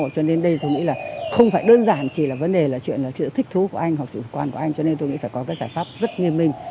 cho nên đây tôi nghĩ là không phải đơn giản chỉ là vấn đề là chuyện là chuyện thích thú của anh hoặc sự thích quan của anh